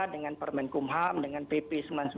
dengan permen kumham dengan pp sembilan puluh sembilan